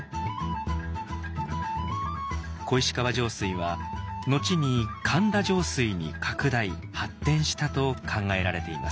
小石川上水は後に「神田上水」に拡大・発展したと考えられています。